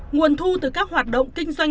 nguồn thu từ các hoạt động kinh doanh